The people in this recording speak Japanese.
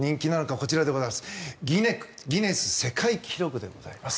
こちらギネス世界記録でございます。